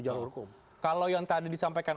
jalur hukum kalau yang tadi disampaikan